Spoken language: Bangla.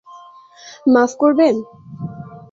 মাফ করবেন?